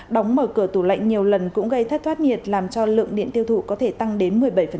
đóng mở cửa tủ lạnh nhiều lần cũng gây thất thoát nhiệt làm cho lượng điện tiêu thụ có thể tăng đến một mươi bảy